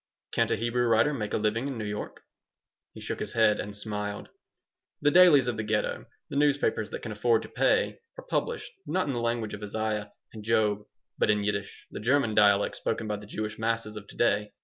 "Can't a Hebrew writer make a living in New York?" He shook his head and smiled The dailies of the Ghetto, the newspapers that can afford to pay, are published, not in the language of Isaiah and Job, but in Yiddish, the German dialect spoken by the Jewish masses of to day.